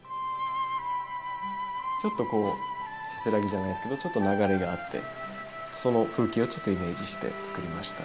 ちょっとこうせせらぎじゃないですけどちょっと流れがあってその風景をちょっとイメージしてつくりました。